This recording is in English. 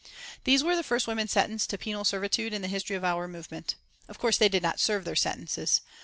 These were the first women sentenced to penal servitude in the history of our movement. Of course they did not serve their sentences.